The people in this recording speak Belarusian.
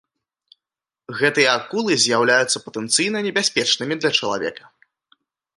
Гэтыя акулы з'яўляюцца патэнцыйна небяспечнымі для чалавека.